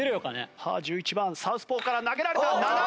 さあ１１番サウスポーから投げられた。